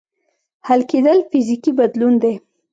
حل کېدل فزیکي بدلون دی.